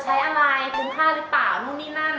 ใช้อะไรคุ้มค่าหรือเปล่านู่นนี่นั่น